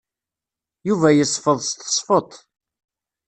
Yuba yesfeḍ s tesfeḍt.